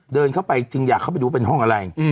เดินเข้าไปจึงอยากเข้าไปดูว่าเป็นห้องอะไร